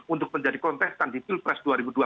untuk menjadi kontestan di pilpres dua ribu dua puluh